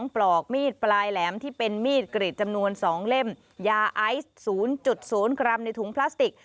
ปลอกมีดปลายแหลมที่เป็นมีดกรีดจำนวน๒เล่มยาไอซ์๐๐กรัมในถุงพลาสติก